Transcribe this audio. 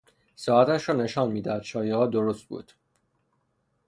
ساعتش را نشان میدهد شایعهها درست بود